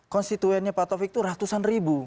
konstituennya pak taufik itu ratusan ribu